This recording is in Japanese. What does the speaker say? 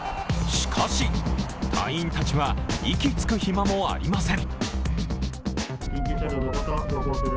しかし、隊員たちは息つく暇もありません。